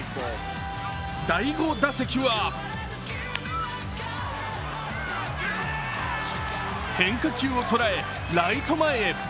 第５打席は変化球を捉え、ライト前へ。